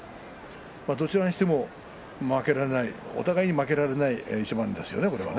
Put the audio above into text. どちらにしても負けられないお互いに負けられない一番ですよね、これはね。